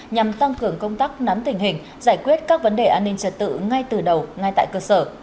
nhằm tăng cường công tác nắm tình hình giải quyết các vấn đề an ninh trật tự ngay từ đầu ngay tại cơ sở